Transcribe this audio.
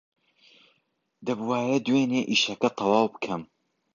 دەبووایە دوێنێ ئیشەکە تەواو بکەم.